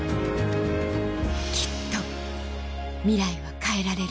きっとミライは変えられる